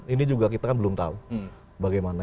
ini juga kita kan belum tahu bagaimana